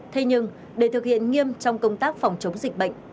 thế nhưng để thực hiện nghiêm trong công tác phòng chống dịch bệnh